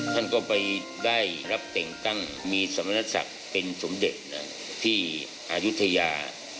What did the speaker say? ท่านก็ไปได้รับแต่งตั้งมีสมณศักดิ์เป็นสมเด็จที่อายุทยา